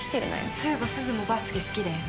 そういえばすずもバスケ好きだよね？